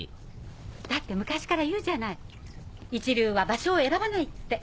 だって昔から言うじゃない「一流は場所を選ばない」って。